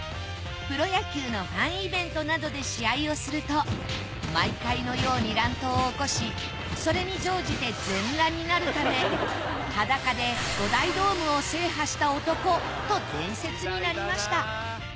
プロ野球のファンイベントなどで試合をすると毎回のように乱闘を起こしそれに乗じて全裸になるため裸で５大ドームを制覇した男と伝説になりました。